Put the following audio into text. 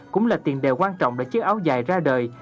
cũng là tiền đề quan trọng để chiếc áo dài ra đời